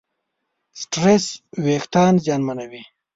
سټرېس وېښتيان زیانمنوي.